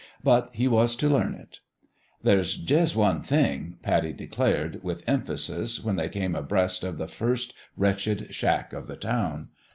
But he was to learn it. " There's jus' one thing," Pattie declared, with emphasis, when they came abreast of the first wretched shack of the town.